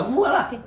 ah gua lah